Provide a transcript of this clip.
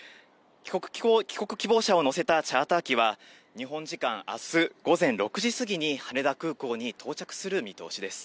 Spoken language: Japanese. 帰国希望者を乗せたチャーター機は、日本時間あす午前６時過ぎに羽田空港に到着する見通しです。